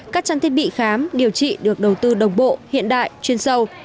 các trang thiết bị khám điều trị được đầu tư đồng bộ hiện đại chuyên sâu